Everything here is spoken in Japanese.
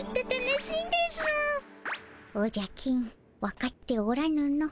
おじゃ金わかっておらぬの。